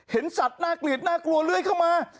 สัตว์น่าเกลียดน่ากลัวเลื้อยเข้ามา